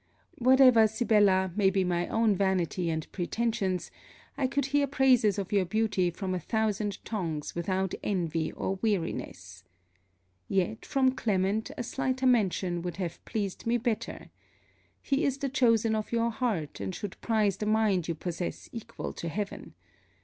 Whatever, Sibella, may be my own vanity and pretensions I could hear praises of your beauty from a thousand tongues without envy or weariness. Yet, from Clement, a slighter mention would have pleased me better. He is the chosen of your heart; and should prize the mind you possess equal to heaven.